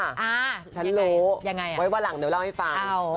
ฉันรู้ยังไงไว้วันหลังเดี๋ยวเล่าให้ฟัง